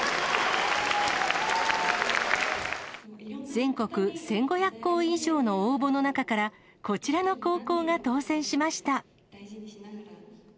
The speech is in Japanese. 全国１５００校以上の応募の中から、こちらの高校が当せんしました。